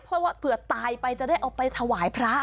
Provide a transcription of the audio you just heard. เพราะว่าเผื่อตายไปจะได้เอาไปถวายพระ